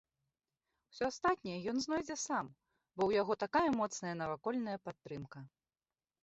Усё астатняе ён знойдзе сам, бо ў яго такая моцная навакольная падтрымка.